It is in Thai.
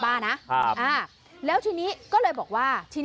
สุดทนแล้วกับเพื่อนบ้านรายนี้ที่อยู่ข้างกัน